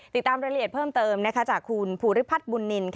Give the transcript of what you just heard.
ติดตามรายละเอียดเพิ่มเติมจากคุณภูริพัฒน์บุญนิน